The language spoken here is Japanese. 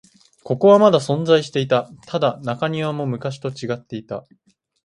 ここはまだ存在していた。ただ、中庭も昔と違っていた。